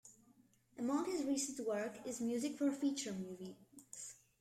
Among his recent work is music for feature movies.